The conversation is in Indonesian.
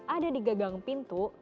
ada di gagang pintu